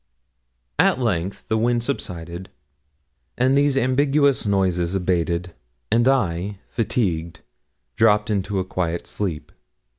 At length the wind subsided, and these ambiguous noises abated, and I, fatigued, dropped into a quiet sleep.